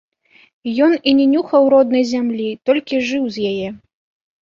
Ён і не нюхаў роднай зямлі, толькі жыў з яе.